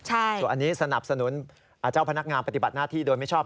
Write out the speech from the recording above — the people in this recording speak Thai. ส่วนอันนี้สนับสนุนเจ้าพนักงานปฏิบัติหน้าที่โดยไม่ชอบ